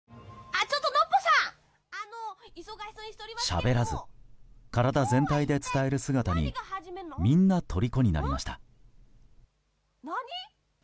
しゃべらず、体全体で伝える姿にみんな、とりこになりました。